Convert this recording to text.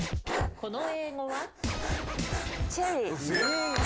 この英語は？